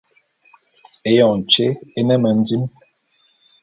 Éyoñ tyé é ne mendim.